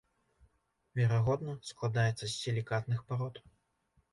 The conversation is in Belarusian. Верагодна складаецца з сілікатных парод.